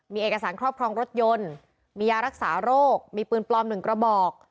มีเอกสารครอบครองรถยนต์มียารักษาโรคมีปืนปลอม๑กระบอก